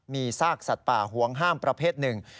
มีซากสัตว์ป่าห่วงห้ามประเภทหนึ่ง